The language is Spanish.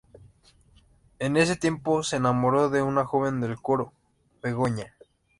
En ese tiempo se enamora de una joven del coro, Begoña.